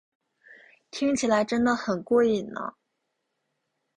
听起来真得很过瘾呢